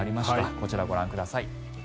こちらご覧ください。